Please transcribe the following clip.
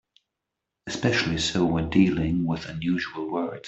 Especially so when dealing with unusual words.